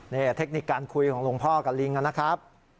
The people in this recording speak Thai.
นี่เทคนิคการคุยของหลวงพ่อกับลิงนะครับ